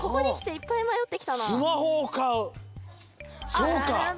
そうか。